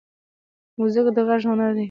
موزیک د غږ هنر دی.